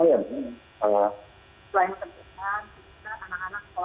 jadi biasanya sore sore begini aktivitasnya apa